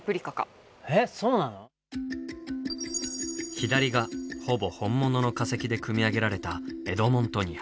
左がほぼ本物の化石で組み上げられたエドモントニア。